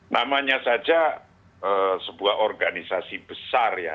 namanya saja sebuah organisasi besar ya